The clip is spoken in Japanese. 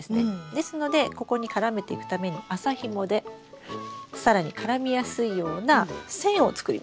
ですのでここに絡めていくために麻ひもで更に絡みやすいような線を作ります。